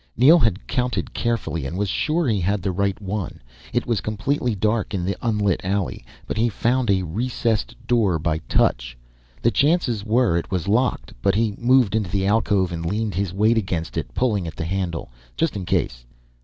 Neel had counted carefully and was sure he had the right one. It was completely dark in the unlit alley, but he found a recessed door by touch. The chances were it was locked, but he moved into the alcove and leaned his weight against it, pulling at the handle, just in case.